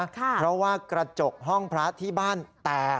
เพราะว่ากระจกห้องพระที่บ้านแตก